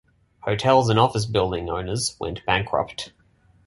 Hotels and office building owners went bankrupt.